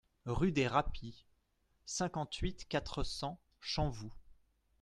Rue des Rapies, cinquante-huit, quatre cents Champvoux